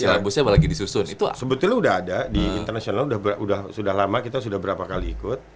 ya sebetulnya udah ada di international sudah lama kita sudah berapa kali ikut